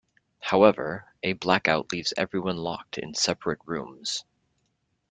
However, a blackout leaves everyone locked in separate rooms.